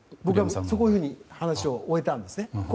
そういう感じで話を終えたんです。